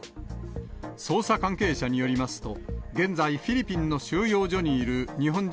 捜査関係者によりますと、現在、フィリピンの収容所にいる日本人